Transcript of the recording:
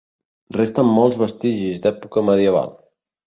Resten molts vestigis d'època medieval.